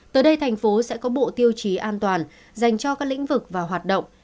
tới đây thành phố sẽ có bộ tiêu chí an toàn dành cho các lĩnh vực và hoạt động